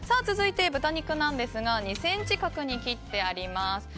続いて、豚肉ですが２ｃｍ角に切ってあります。